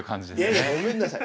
いやいやごめんなさい！